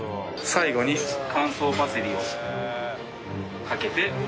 最後に乾燥パセリをかけて完成です。